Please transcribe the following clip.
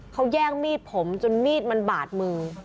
เขาแย่งมีดผมจนมีดมันบาดมือ